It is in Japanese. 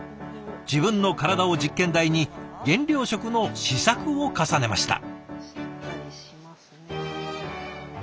自分の体を実験台に減量食の試作を重ねました。